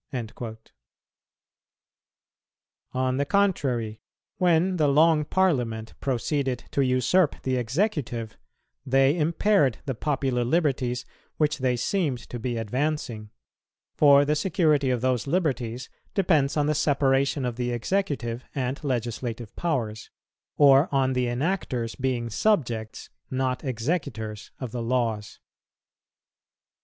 "[202:2] On the contrary, when the Long Parliament proceeded to usurp the executive, they impaired the popular liberties which they seemed to be advancing; for the security of those liberties depends on the separation of the executive and legislative powers, or on the enactors being subjects, not executors of the laws.